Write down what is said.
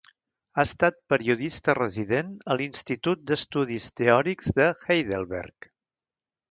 Ha estat periodista resident a l'Institut d'Estudis Teòrics de Heidelberg.